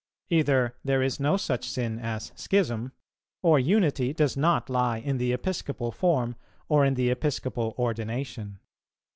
Either there is no such sin as schism, or unity does not lie in the Episcopal form or in the Episcopal ordination.